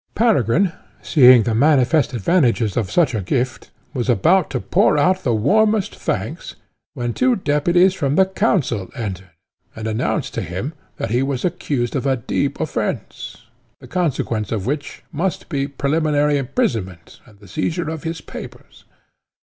Peregrine, seeing the manifest advantages of such a gift, was about to pour out the warmest thanks, when two deputies from the council entered, and announced to him that he was accused of a deep offence, the consequence of which must be preliminary imprisonment and the seizure of his papers.